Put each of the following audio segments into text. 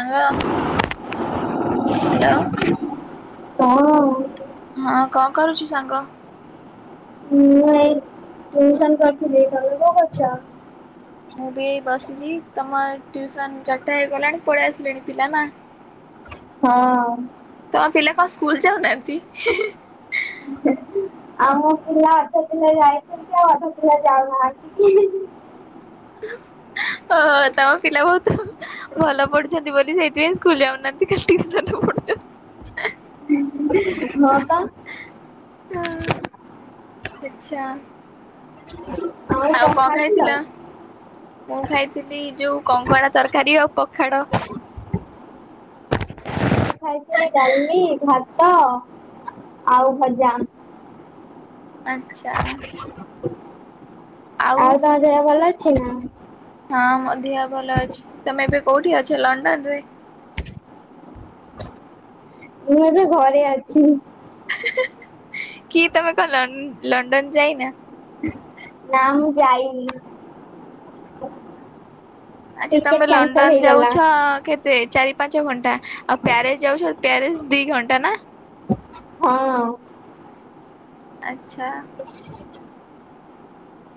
ସାଙ୍ଗ ହ୍ୟାଲୋ। କଣ ହଁ କଣ କରୁଚୁ ସାଙ୍ଗ? ମୁଁ ଏଇ ଟ୍ୟୁସନ କରୁଥିଲି ତମେ କଣ କରୁଚ? ମୁଁ ବି ବସିଚି ତମ ଟ୍ୟୁସନ ଚାରଟା ହେଇଗଲାଣି ପଳେଇ ଆସିଲେଣି ପିଲା ନା? ହଁ। ତମ ପିଲା କଣ ସ୍କୁଲ ଯାଉନାହାନ୍ତି? ଆମ ପିଲା ଅଧା ପିଲା ଯାଉଚନ୍ତି ଆଉ ଅଧା ପିଲା ଯାଉନାହାନ୍ତି। ହଁ ତମ ପିଲା ବହୁତ ଭଲ ପଢୁଚନ୍ତି। ବୋଲି ସେଇଥିପାଇଁ ସ୍କୁଲ ଯାଉନାହାନ୍ତି ଖାଲି ଟ୍ୟୁସନ ପଢୁଚନ୍ତି। ହଁ ପା। ହଁ ଆଚ୍ଛା। ହଁ। ଆଉ କଣ ଖାଇଥିଲା ମୁଁ ଖାଇଥିଲି ଯୋଉ କଙ୍କଡା ତରକାରୀ ଆଉ ପଖାଳ। [inaudible] ଖାଇଚି ଡାଲି ଭାତ ଆଉ ଭଜା। ଆଛା। ଆଉ ତମ ଦେହ ଭଲ ଅଛି ନା? ହଁ ମୋ ଧିଅ ଭଲ ଅଛି ତମେ ଏବେ କୋଉଠି ଅଛ ଲଣ୍ଡନ ରେ? ମୁଁ ଏବେ ଘରେ ଅଛି। କି ତମେ କଣ ଲନ ଲଣ୍ଡନ ଯାଇନା? ନା ମୁଁ ଯାଇନି। ଆଛା ଟିକେଟ ତମେ କ୍ୟାନସଲ ଲଣ୍ଡନ ହେଇଗଲା। ଯାଉଛ କେ ରେ ଚାରି ପାଞ୍ଚ ଘଣ୍ଟା ଆଉ ପ୍ୟାରେସ୍ ଯାଉଛ ପ୍ୟାରେସ ଦି ଘଣ୍ଟା ନା? ହଁ। ଆଚ୍ଛା।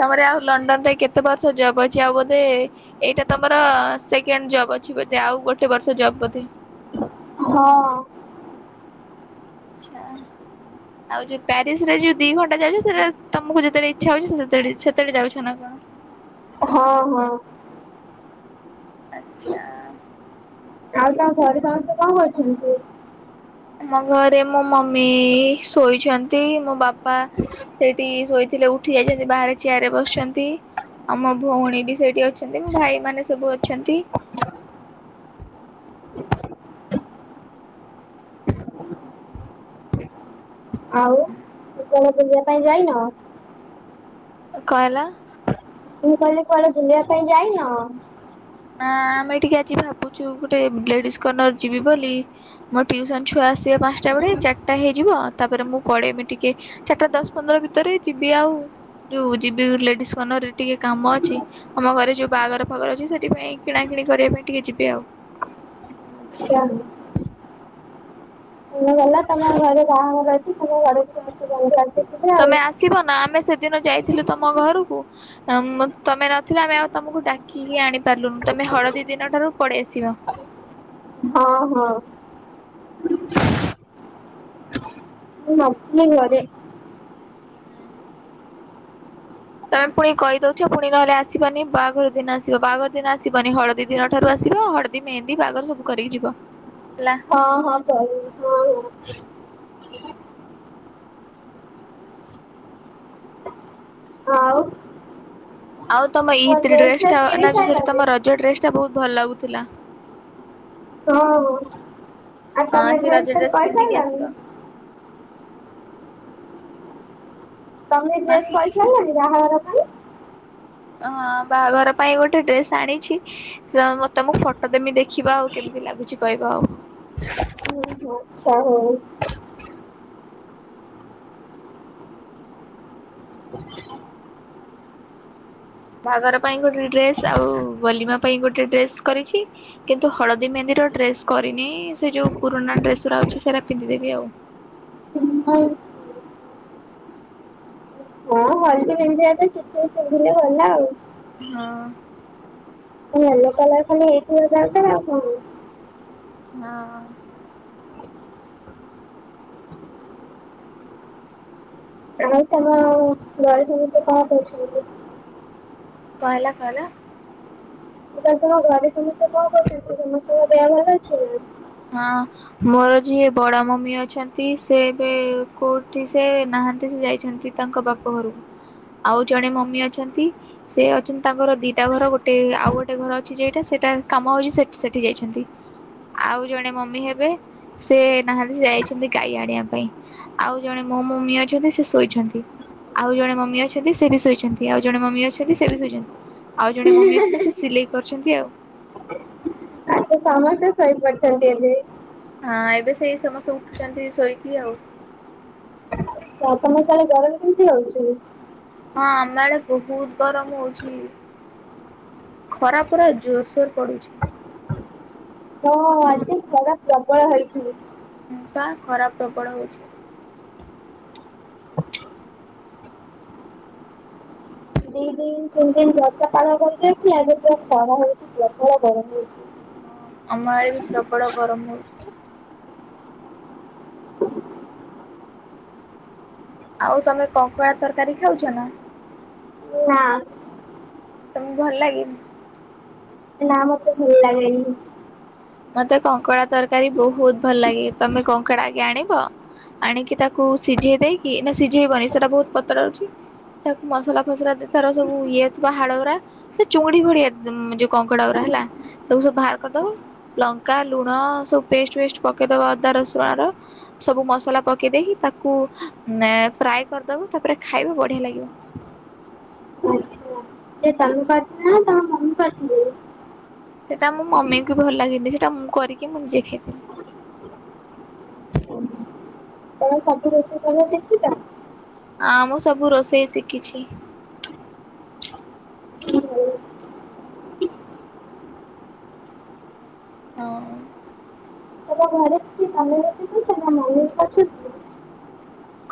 ତମର ଆଉ ଲଣ୍ଡନ ରେ କେତେ ବର୍ଷ ଜବ ଅଛି ଆଉ ବୋଧେ ଏଇଟା ତମର ସେକେଣ୍ଡ ଜବ୍ ଅଛି ବୋଧେ। ଆଉ ଗୋଟେ ବର୍ଷ ଜବ ବୋଧେ। ହଁ। ଆଚ୍ଛା। ଆଉ ଯୋଉ ପ୍ୟାରିସ ରେ ଯୋଉ ଦି ଘଣ୍ଟା ଯାଉଛ ସେଟା ତମକୁ ଯେତେବେଳେ ଇଛା ହଉଛି ସେତେବେଳେ ଯାଉଛ ନା କଣ? ଅ ହଁ। ଆଚ୍ଛା। ଆଉ ତା ଘରେ ସମସ୍ତେ କଣ କରୁଛନ୍ତି? ମୋ ଘରେ ମୋ ମମି ଶୋଇଛନ୍ତି। ମୋ ବାପା ସେଇଠି ଶୋଇଥିଲେ ଉଠି ଯାଇଛନ୍ତି ବାହାରେ ଚିୟାର ରେ ବସିଛନ୍ତି। ଆଉ ମୋ ଭଉଣୀ ବି ସେଇଠି ଅଛନ୍ତି ମୋ ଭାଇ ମାନେ ସବୁ ଅଛନ୍ତି। ଆଉ [unintelligible] ବୁଲିବା ପାଇଁ ଯାଇନ? କଣ ହେଲା? ମୁଁ କହିଲି କୁଆଡେ ବୁଲିବା ପାଇଁ ଯାଇନ? ନା ଆମେ ଟିକେ ଆଜି ଭାବୁଚୁ ଗୋଟେ ଲେଡିସ୍ କର୍ଣର ଯିବି ବୋଲି। ମୋ ଟ୍ୟୁସନ୍ ଛୁଆ ଆସିବେ ପାଞ୍ଚଟା ବେଳେ ଚାରିଟା ହେଇଯିବ ତାପରେ ମୁଁ ପଢେଇବି ଟିକେ ଚାରିଟା ଦଶ ପନ୍ଦର ଭିତରେ ଯିବି ଆଉ ଯୋଉ ଯିବି ଲେଡିସ୍ କର୍ଣ୍ଣର ରେ ଟିକେ କାମ ଅଛି ଆମ ଘରେ ଯୋଉ ବାହାଘର ଫାହାଘର ଅଛି ସେ ସେଥିପାଇଁ କିଣା କିିଣି କରିବା ପାଇଁ ଟିକେ ଯିବେ ଆଉ। [unintelligible] [unintelligible] ଗଲା ତମର ଘରେ ବାହାଘର ଅଛି ତମେ ଘରେ ସମସ୍ତେ। [unintelligible] ଆଉ। ତମେ ଆସିବ ନା ଆମେ ସେଦିନ ଯାଇଥିଲୁ ତମ ଘରକୁ? ତମେ ନଥିଲ ଆମେ ଆଉ ତମକୁ ଡାକିକି ଆଣି ପାରିଲୁନୁ। ତମେ ହଳଦୀ ଦିନ ଠାରୁ ପଳେଇ ଆସିବ। ଅ ହଁ। ମୁଁ ନଥିଲି ଘରେ। ହୁଁ। ତମେ ପୁଣି କହିଦଉଛ ପୁଣି ନହେଲେ ଆସିବନି ବାହାଘର ଦିନ ଆସିବ। ବାହାଘର ଦିନ ଆସିବନି ହଳଦୀ ଦିନ ଠାରୁ ଆସିବ। ହଳଦୀ ମେହେନ୍ଦୀ ବାହାଘର ସବୁ କରିକି ଯିବ ହେଲା। ହଁ ହଁ [unintelligible] ହଁ ହଁ। ହୁଁ। ଆଉ ଆଉ ତମ କଣ ଇତ୍ ରେ ଡ୍ରେସ୍ ଡ୍ରେସ ଟା ଫ୍ରେସ୍ ନା କିଣି ଯୋଉ ସରି ସାରିଲଣି? ତମ ରଜ ଡ୍ରେସ ଟା ବହୁତ ଭଲ ଲାଗୁଥିଲା। ହଁ ହଁ ଆଉ ହଁ ତମେ ସେ ଡ୍ରେସ୍ ରଜ ଫ୍ରେସ୍ ଡ୍ରେସ ପିନ୍ଧିକି କରିସାରିଲଣି? ଆସିବ। ତମେ ନା ଡ୍ରେସ କରିସାରିଲଣି ବାହାଘର ପାଇଁ? ହଁ ବାହାଘର ପାଇଁ ଗୋଟେ ଡ୍ରେସ୍ ଆଣିଛି। ତମକୁ ଫଟୋ ଦେମି ଦେଖିବ ଆଉ କେମିତି ଲାଗୁଛି କହିବା ଆଉ। ହୁଁ। ହଉ [unintelligible] ହଉ। [inaudible] ବାହାଘର ପାଇଁ ଗୋଟେ ଡ୍ରେସ ଆଉ ବଲିମା ପାଇଁ ଗୋଟେ ଡ୍ରେସ୍ କରିଛି। କିନ୍ତୁ ହଳଦୀ ମେହେନ୍ଦି ର ଡ୍ରେସ କରିନି ସେ ଯଉ ପୁରୁଣା ଡ୍ରେସ ଗୁରା ଅଛି ସେରା ପିନ୍ଧିଦେବି ଆଉ। ହଁ ହଳଦୀ ମେହେନ୍ଦି ରେ କିଛି ବି ପିନ୍ଧିଲେ ଗଲା ଆଉ। ହଁ। ୟେଲୋ କଲର ଖାଲି ହେଇଥିବା ଦରକାର ଆଉ କଣ। ହଁ ହଁ। [inaudible] ଆଉ ତମ ଘରେ ସମସ୍ତେ କଣ କହୁଛନ୍ତି? କଣ ହେଲା କହିଲ? ମୁଁ କହିଲି ତମ ଘରେ ସମସ୍ତେ କଣ କରୁଛନ୍ତି? ସମସ୍ତେଙ୍କ ଦେହ ଭଲ ଅଛି ନା? ହଁ। ମୋର ଯିଏ ବଡ ମମି ଅଛନ୍ତି ସେ ଏବେ କୋଉଠି ସେ ନାହାନ୍ତି ସେ ଯାଇଛନ୍ତି ତାଙ୍କ ବାପ ଘରକୁ ଆଉ ଜଣେ ମମି ଅଛନ୍ତି ସେ ଅଛନ୍ତି ତାଙ୍କର ଦିଟା ଘର ଗୋଟେ ଆଉ ଗୋଟେ ଘର ଅଛି ଯେଇଟା ସେଇଟା କାମ ହଉଛି ସେ ସେଠି ଯାଇଛନ୍ତି। ଆଉ ଜଣେ ମମି ହେବେ ସେ ନାହାନ୍ତି ସେ ଯାଇଛନ୍ତି ଗାଈ ଆଣିବା ପାଇଁ। ଆଉ ଜଣେ ମୋ ମମି ଅଛନ୍ତି ସେ ଶୋଇଛନ୍ତି। ଆଉ ଜଣେ ମମି ଅଛନ୍ତି ସେ ବି ଶୋଇଛନ୍ତି ଆଉ ଜଣେ ମମି ଅଛନ୍ତି ସେ ବି ଶୋଇଛନ୍ତି। ଆଉ ଜଣେ ମମି ଅଛନ୍ତି ସେ ସିଲେଇ କରୁଛନ୍ତି ଆଉ। ସମସ୍ତେ ଶୋଇ ପଡିଛନ୍ତି ଏବେ। ହଁ ଏବେ ସେଇ ସମସ୍ତେ ଉଠୁଛନ୍ତି ଶୋଇକି ଆଉ। ଆଉ ତମ ସିଆଡେ ଗରମ କେମିତି ହଉଛି? ହଁ ଆମ ଆଡେ ବହୁତ ଗରମ ହଉଛି। ଖରା ପୁରା ଜୋରସୋର ପଡୁଛି। ଓ ହୋ ହୋ ଆଜି ଖରା ପ୍ରବଳ ହେଇଛି। ହଁ ପା ଖରା ପ୍ରବଳ ହଉଛି। ଦିଇ ଦିନ ତିନ ଦିନ ବର୍ଷା ପାଗ କରିଦେଇଥିଲା ଯେ ପୁରା ଖରା ହଉଛି ପ୍ରବଳ ଗରମ ହଉଛି। ହଁ ଆମ ଆଡେ ବି ପ୍ରବଳ ଗରମ ହଉଛି। ଆଉ ତମେ କଙ୍କଡା ତରକାରୀ ଖାଉଛ ନା? ନା। ତମକୁ ଭଲ ଲାଗେନି? ନା ମତେ ଭଲ ଲାଗେନି। ମତେ କଙ୍କଡ଼ା ତରକାରୀ ବହୁତ ଭଲ ଲାଗେ ତମେ କଙ୍କଡ଼ା ଆଗେ ଆଣିବ ଆଣିକି ତାକୁ ସିଝେଇ ଦେଇକି ନା ସିଝେଇବନି ସେଟା ବହୁତ ପଥର ରହୁଛି ତାକୁ ମସଲା ଫସଲା ଦି ତାର ସବୁ ଇଏ ଥିବ ହାଡ ଗୁରା ସେ ଚୁଙ୍ଗୁଡି ଭଳିଆ ଯୋଉ କଙ୍କଡା ଗୁଡା ହେଲା ତାକୁ ସବୁ ବାହାର କରିଦବ ଲଙ୍କା ଲୁଣ ସବୁ ପେଷ୍ଟ ଫେଷ୍ଟ ପକେଇଦବ ଅଦା ରସୁଣ ର ସବୁ ମସଲା ପକେଇ ଦେଇକି ତାକୁ ଅ ଫ୍ରାଏ କରିଦବ ତାପରେ ଖାଇବ ବଢିଆ ଲାଗିବ। ସେ ତମେ କରିଥିଲ ନା ତମ ମମି କରିଥିଲେ? ସେଇଟା ମୋ ମମିଙ୍କୁ ଭଲ ଲାଗେନି ସେଇଟା ମୁଁ କରିକି ମୁଁ ନିଜେ ଖାଇଥିଲି। ତମେ ସବୁ ରୋଷେଇ ତାହେଲେ ଶିଖିଛ? ହଁ ମୁଁ ସବୁ ରୋଷେଇ ଶିଖିଛି। ହଉ। ତମ ଘରେ କିଛି [inaudible] [inaudible]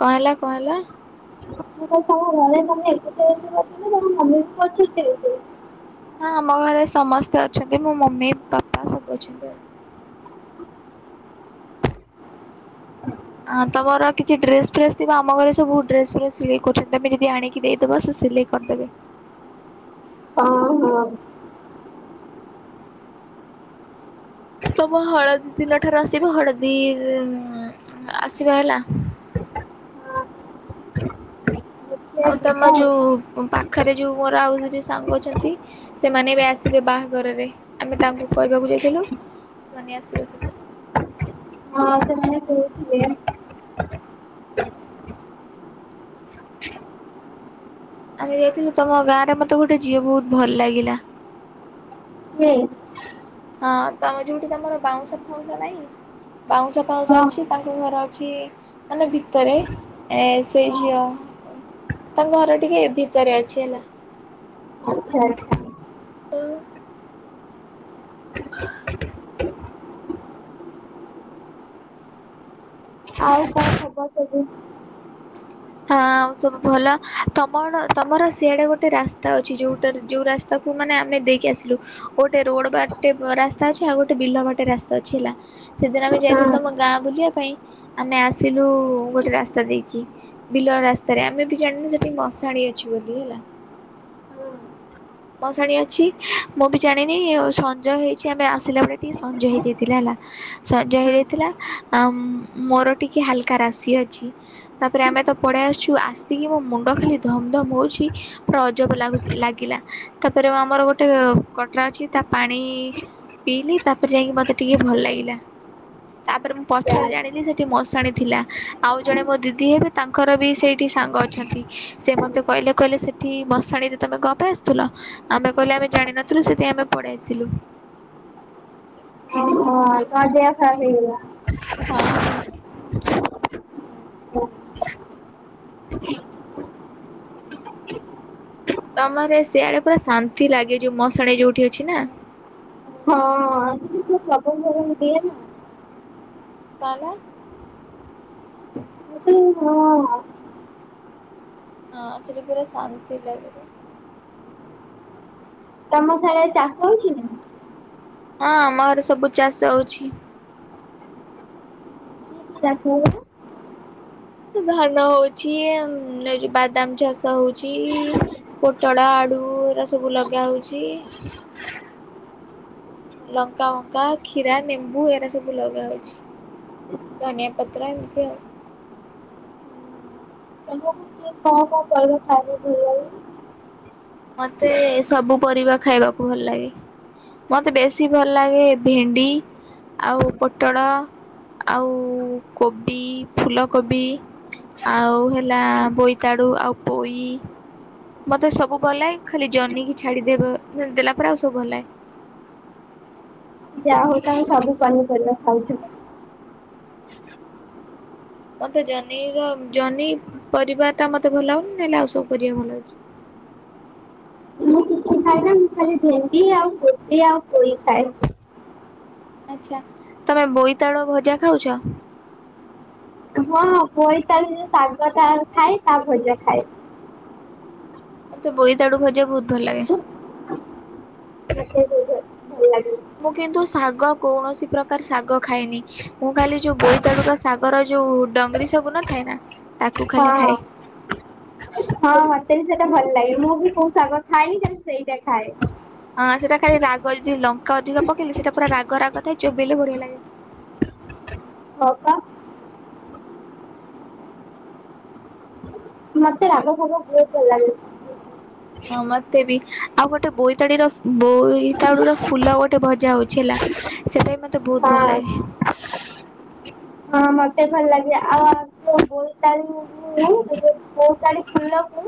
କଣ ହେଲା କଣ ହେଲା? ମୁଁ କହିଲି ହଁ [unintelligible] ହଁ ଆମ ଘରେ ସମସ୍ତେ ଅଛନ୍ତି ମୋ ମମି, ବାପା ସବୁ ଅଛନ୍ତି ଆଉ। ହଁ ତମର କିଛି ଡ୍ରେସ ଫ୍ରେସ ଥିବା ଆମ ଘରେ ସବୁ ଡେଶ୍ ଫ୍ରେଶ୍ ସିଲେଇ କରୁଛନ୍ତି, ତମେ ଯଦି ଆଣିକି ଦେଇଦବ ସେ ସିଲେଇ କରିଦେବେ। ହଉ ହଉ। ତମ ହଳଦୀ ଦିନ ଠାରୁ ଆସିବ ହଳଦୀ ଉଁ ଆସିବା ହେଲା। ହଁ ଦେଖିଆ ଆଉ ତମ ଯିବା ଯୋଉ ପାଖରେ ଯୋଉ ମୋର ଆଉ ଦୁଇଟି ସାଙ୍ଗ ଅଛନ୍ତି ସେମାନେ ଏବେ ଆସିବେ ବାହାଘରରେ, ଆମେ ତାଙ୍କୁ କହିବାକୁ ଯାଇଥିଲୁ ସେମାନେ ଆସିବେ ସବୁ। ହଁ ସେମାନେ ସବୁ [inaudible] ଆମେ ଯାଇଥିଲୁ ତମ ଗାଁରେ ମତେ ଗୋଟେ ଝିଅ ବହୁତ ଭଲ ଲାଗିଲା। କିଏ? ହଁ ତମ ଯୋଉଠି ତମର ବାଉଁଶ ଫାଉଁଶ ନାହିଁ ପାଉଁଶ ହଁ ପାଉଁଶ ହଁ। ଅଛି ତାଙ୍କ ଘର ଅଛି ମାନେ ଭିତରେ ଏ ସେଇ ଝିଅ। ତାଙ୍କ ଘର ଟିକେ ଏ ଭିତରେ ଅଛି ହେଲା। ଆଚ୍ଛା ଆଛା। ଓଉ। [inaudible] ଆଉ କଣ ହବ ସବୁ। ହଁ ଆଉ ସବୁ ଭଲ। ତମର ତମର ସିଆଡେ ଗୋଟେ ରାସ୍ତା ଅଛି ଯୋଉଟାରେ ଯୋଉ ରାସ୍ ତାକୁ ମାନେ ଆମେ ଦେଇକି ଆସିଲୁ। ଗୋଟେ ରୋଡ ବାଟେ ରାସ୍ତା ଅଛି ଆଉ ଗୋଟେ ବିଲ ବାଟେ ରାସ୍ତା ଅଛି ହେଲା। ସେଦିନ ଆମେ ଯାଇଥିଲୁ ହଁ। ତମ ଗାଁ ବୁଲିବା ପାଇଁ ଆମେ ଆସିଲୁ ଗୋଟେ ରାସ୍ତା ଦେଇକି। ବିଲ ରାସ୍ତାରେ ଆମେ ବି ଜାଣିନୁ ସେଠି ମଶାଣି ଅଛି ବୋଲି ହେଲା। ମଶାଣି ଅଛି। ମୁଁ ବି ଜାଣିନି ସଞ୍ଜ ହେଇଛି ଆମେ ଆସିଲା ବଳେ ଟିକେ ସଞ୍ଜ ହେଇଯାଇଥିଲା ହେଲା। ସଞ୍ଜ ହେଇ ଯାଇଥିଲା ଆ ମୋ ମୋର ଟିକେ ହାଲକା ରାଶି ଅଛି ତାପରେ ଆମେ ତ ପଳାଇ ଆସୁଛୁ ଆସିକି ମୋ ମୁଣ୍ଡ ଖାଲି ଧମ ଧମ ହୋଉଛି ପୁରା ଅଜବ ଲାଗୁ ଲାଗିଲା। ତାପରେ ଆମର ଗୋଟେ କଟଳା ଅଛି ତା ପାଣି ପିଇଲି ତାପରେ ଯାଇକି ମତେ ଟିକେ ଭଲ ଲାଗିଲା। ତାପରେ ମୁଁ ପଛରେ ଜାଣିଲି ସେଠି ମଶାଣି ଥିଲା। ଆଉ ଜଣେ ମୋ ଦିଦି ହେବେ ତା ତାଙ୍କର ବି ସେଇଠି ସାଙ୍ଗ ଅଛନ୍ତି। ସେ ମତେ କହିଲେ କହିଲେ ସେଠି ମଶାଣିରେ ତମେ କ ପାଇଁ ଆସୁଥିଲ? ଆମେ କହିଲୁ ଆମେ ଜାଣିନଥିଲୁ ସେଥିି ପାଇଁ ଆମେ ପଳେଇ ଆସିଲୁ। ହଁ ତ ଦେଆ ଖ ହେଇଗଲା। [unintelligible] ହଁ। ତମର ସିଆଡେ ପୁରା ଶାନ୍ତି ଲାଗେ ଯୋଉ ମଶାଣି ଯୋଉଠି ଅଛି ନା। ପବନ ଫବନ ଦିଏ ନା। [unintelligible] କ ହେଲା? [inaudible] ହଁ ହଁ। [unintelligible] ହଁ ସେଠୀ ପୁରା ଶାନ୍ତିଲାଗିବ। ମ ସିଆଡେ ଚାଷ ହୋଉଛି ନା? [unintelligible] ହଁ ଆମ ଘର ସବୁ ଚାଷ ହଉଛି। ଶାଶୁ ଘର ଧାନ ହଉଛି ବାଦାମ ଚାଷ ହଉଛି। ପୋଟଳ ଆଳୁ ଏରା ସବୁ ଲଗା ହଉଛି ଲଙ୍କା ବଙ୍କା କ୍ଷୀରା ନେମ୍ବୁ ଏରା ସବୁ ଲଗା ହଉଛି ଧନଆ ପତ୍ର ଏମିତି ଆଉ କେ [inaudible] କଣ କଣ କରିବ ଖାଇଲେ ଭଲ ଲାଗିବ। [unintelligible] ମତେ ସବୁ ପରିବା ଖାଇବାକୁ ଭଲ ଲାଗେ। ମତେ ବେଶୀ ଭଲ ଲାଗେ ଭେଣ୍ଡି। ଆଉ ପୋଟଳ ଆଉ କୋବି ଫୁଲକୋବି ଆଉ ହେଲା ବୋଇତାଡୁ ଆଉ ପୋଇ। ମତେ ସବୁ ଭଲ ଲାଗେ ଖାଲି ଜନିଇିକି ଛାଡିଦବା ଦେଲା ପରେ ଆଉ ସବୁ ଭଲଏ ଯାହା ହଉ ତମେ ସବୁ ପନିପରିବା ଖାଉଛ ମତେ ଜନି ର ଜନି ପରିବା ଟା ମତେ ଭଲ ଲାଗୁଉନି ନହେଲେ ଆଉ ସବୁ ପରିବା ଭଲ ହେଇଛି। ମୁଁ କିଛି ଖାଏନା ମୁଁ ଖାଲି ଭେଣ୍ଡି ଆଉ ଗୋଟେ ଆଉ ପୋଇ ଖାଏ। ଆଚ୍ଛା ତମେ ବୋଇଇତାଳୁ ଭଜା ଖାଉଛ। ହଁଁ ବୋଇ ତାଳୁର ଶାଗ ଟା ଖାଏ ତା ଭଜା ଖାଏ। ମତେ ବୋଇତାଡୁ ଭାଜା ବୋହୁତ ଭଲ ଲାଗେ। [inaudible] ମୁଁ କିନ୍ତୁ ଶାଗ କୌଣସି ପ୍ରକାର ଶାଗ ଖାଏନି। ମୁଁ ଖାଲି ଯୋଉ ବୋଇତାଳୁ ର ଶାଗର ଯୋଉ ଡଙ୍ଗରୀ ସବୁ ନ ଥାଏ ନା ତାକୁ ଖାଲି ହଁ ଖାଏ। ହଁ ମତେ ବି ସେଇଟା ଭଲ ଲାଗେ ମୁଁ ବି କୋଉ ସାଗ ଖାଏନି ଖାଲି ସେଇଟା ଖାଏ। ହଁ ସେଟା ଖାଲି ରାଗ ଯଦି ଲଙ୍କା ଅଧିକ ପକେଇଲି ସେଟା ପୁରା ରାଗ ରାଗ ଥାଏ ଚୋବେଇଲେ ବଢିଆ ଲାଗେ। ତୋତା ମତେ ରାଗ ସବୁ ବହୁତ ଭଲଲାଗେ। ହଁ ମତେ ବି ଆଉ ଗୋଟେ ବୋଇତାଡିର ବୋଇତାଳୁ ର ଫୁଲ ଗୋଟେ ଭଜା ହଉଛି ହେଲା। ସେଟା ବି ମତେ ବହୁତ ଭଲ ହଁ ଲାଗେ। ହଁ ମତେ ଭଲ ଲାଗେ ଆଉ ଆମକୁ ବୋଇତାଳୁ ମୁଁ ବୋଇତାଳୁ ଫୁଲକୁ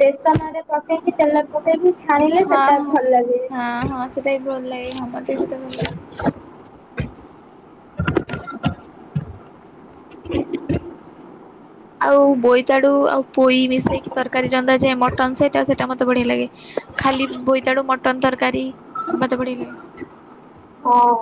ବେଶନରେ ପକେଇକି ତେଲରେ ପକେଇକି ଛାଣିଲେ ହଁ ସେଟା ହଁ ଭଲ ଲାଗେ। ହଁ ହଁ ସେଇଟା ବି ଭଲ ଲାଗେ ହଁ ମତେ ବି ସେଇଟା ଭଲ ଲାଗେ। ହ [inaudible] ହଁ। ଆଉ ବୋଇତାଳୁ ଆଉ ପୋଇ ମିଶେଇକି ତରକାରୀ ରନ୍ଧା ଯାଏ ମଟନ ସହିତ ଆଉ ସେଟା ମୋତେ ବଢିଆ ଲାଗେ। ଖାଲି ବୋଇତାଡୁ ମଟନ ତରକାରୀ ମତେ ବଢିଆ ଲାଗେ। ହଁ